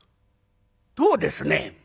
どうですね